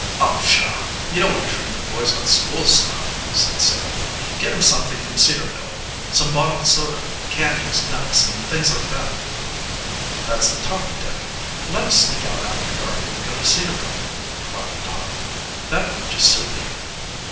"Oh, pshaw! You don't want to treat the boys on school stuff," said Sam. "Get 'em something from Cedarville some bottled soda, candies, nuts, and things like that." "That's the talk, Dick. Let us sneak out after dark and go to Cedarville!" cried Tom. "That would just suit me."